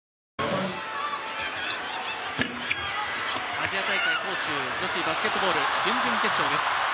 アジア大会杭州女子バスケットボール、準々決勝です。